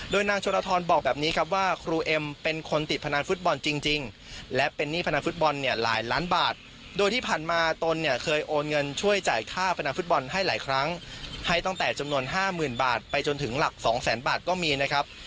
โดยนางชนทรบอกแบบนี้ครับว่าครูเอ็มเป็นคนติดพนันฟุตบอลจริงและเป็นหนี้พนันฟุตบอลเนี่ยหลายล้านบาทโดยที่ผ่านมาตนเนี่ยเคยโอนเงินช่วยจ่ายค่าพนันฟุตบอลให้หลายครั้งให้ตั้งแต่จำนวนห้าหมื่นบาทไปจนถึงหลักสองแสนบาทก็มีนะครับ